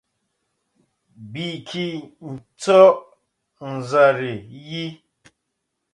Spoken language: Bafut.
Bɨ kɨ̀ tsɔʼɔ àzɨrə̀ yi.